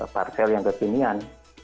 parcel yang kekinian